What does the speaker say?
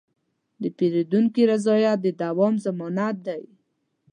د پیرودونکي رضایت د دوام ضمانت دی.